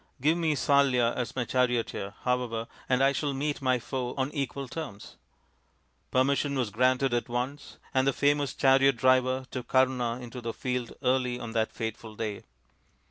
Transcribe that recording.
Give me Salya as my charioteer, however, and I shall meet my foe on equal terms." Permission was granted at once, and the famous chariot driver took Karna into the field early on ii2 THE INDIAN STORY BOOK that fateful day.